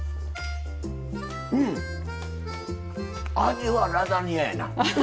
味はラザニアやな。